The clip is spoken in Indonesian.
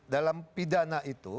dalam pidana itu